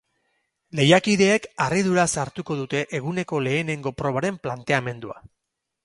Lehiakideek harriduraz hartuko dute eguneko lehenengo probaren planteamendua.